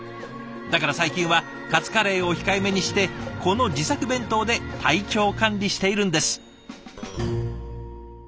だから最近はカツカレーを控えめにしてこの「自作弁当」で体調管理しているんです。